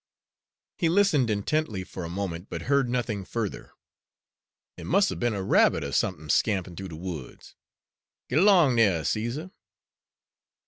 He listened intently for a moment, but heard nothing further. "It must 'a' be'n a rabbit er somethin' scamp'in' th'ough de woods. G'long dere, Caesar!"